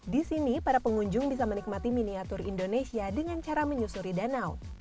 di sini para pengunjung bisa menikmati miniatur indonesia dengan cara menyusuri danau